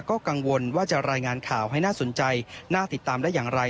ก็กังวลว่าจะรายงานข่าวให้น่าสนใจน่าติดตามได้อย่างไร